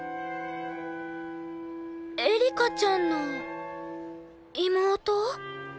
エリカちゃんの妹？